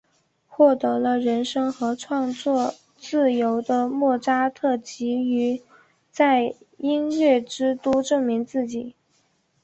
获得了人生和创作自由的莫扎特急于在音乐之都证明自己。